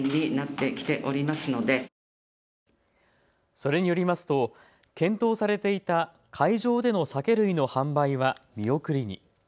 それによりますと検討されていた会場での酒類の販売は見送りに。